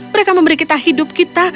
mereka memberi kita hidup kita